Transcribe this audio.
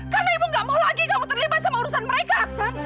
karena ibu gak mau lagi kamu terlibat sama urusan mereka aksan